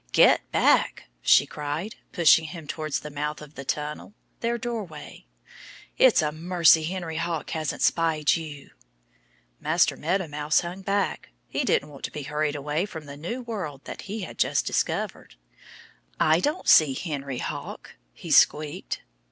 "Get back!" she cried, pushing him towards the mouth of the tunnel their doorway. "It's a mercy Henry Hawk hasn't spied you." Master Meadow Mouse hung back. He didn't want to be hurried away from the new world that he had just discovered. "I don't see Henry Hawk," he squeaked.